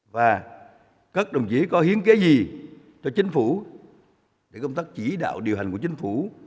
và các đồng chí có hiến kế gì cho chính phủ để công tác chỉ đạo điều hành của chính phủ